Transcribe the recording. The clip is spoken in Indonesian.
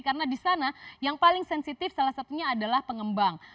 karena di sana yang paling sensitif salah satunya adalah pengembang